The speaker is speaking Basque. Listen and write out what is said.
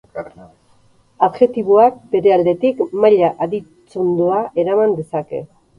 Adjektiboak, bere aldetik, maila-aditzondoa eraman dezake.